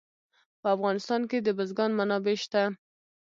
په افغانستان کې د بزګان منابع شته.